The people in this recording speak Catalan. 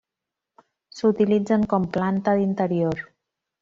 S'utilitzen com planta d'interior.